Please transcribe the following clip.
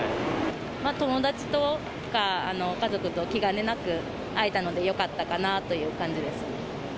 友達とか、家族と、気兼ねなく会えたので、よかったかなという感じです。